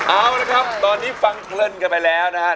เอาละครับตอนนี้ฟังเพลินกันไปแล้วนะครับ